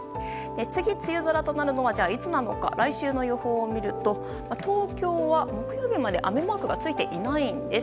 次、梅雨空となるのはいつなのか来週の予報を見ると東京は木曜日まで雨マークがついていないんです。